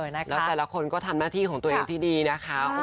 แล้วแต่ละคนก็ทำหน้าที่ของตัวเองที่ดีนะคะ